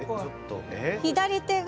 左手が？